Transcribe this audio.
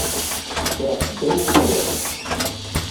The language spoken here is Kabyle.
Ffreɣ-tt ddaw upayaṣ.